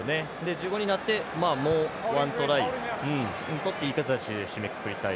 １５になってもうワントライ取っていい形で締めくくりたい。